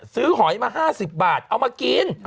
หอยมา๕๐บาทเอามากิน